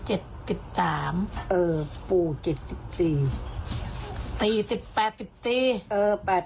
๗๓เออปู๗๔ตี๘๔เออ๘๔อืม